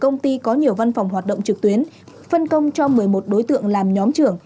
trong mô hình công ty có nhiều văn phòng hoạt động trực tuyến phân công cho một mươi một đối tượng làm nhóm trưởng